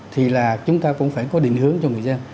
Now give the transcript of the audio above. thì là chúng ta cũng phải có định hướng cho người dân